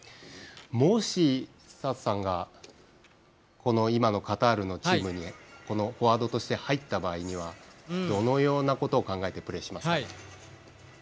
もし、寿人さんが今のカタールのチームにフォワードとして入った場合にはどのようなことを考えてプレーしますか？